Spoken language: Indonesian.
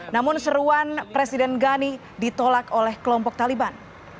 namun seruan presiden ghani ditolak oleh kelompok taliban